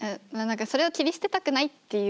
それを切り捨てたくないっていうのが。